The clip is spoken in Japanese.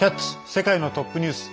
世界のトップニュース」。